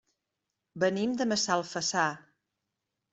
Venim de Massalfassar.